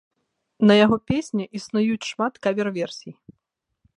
На яго песні існуюць шмат кавер-версій.